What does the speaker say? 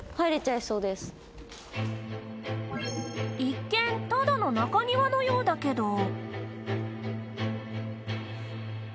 一見ただの中庭のようだけど宮崎